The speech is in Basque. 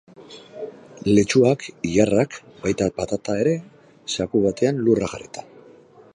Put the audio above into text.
Letxuak, ilarrak, baita patata ere, zaku batean lurra jarrita.